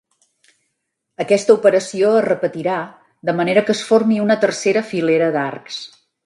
Aquesta operació es repetirà de manera que es formi una tercera filera d'arcs.